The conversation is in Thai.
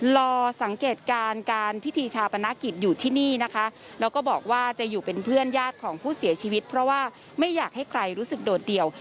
รอสังเกตการณ์การพิธีชาปนกิจอยู่ที่นี่นะคะแล้วก็บอกว่าจะอยู่เป็นเพื่อนญาติของผู้เสียชีวิตเพราะว่าไม่อยากให้ใครรู้สึกโดดเดี่ยว